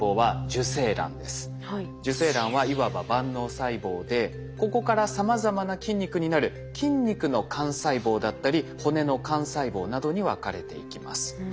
受精卵はいわば万能細胞でここからさまざまな筋肉になる筋肉の幹細胞だったり骨の幹細胞などに分かれていきます。